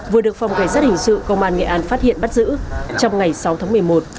vừa được phòng cảnh sát hình sự công an nghệ an phát hiện bắt giữ trong ngày sáu tháng một mươi một